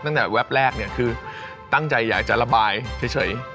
ตั้งแต่แวบแรกเนี่ยคือตั้งใจอยากจะระบายเฉย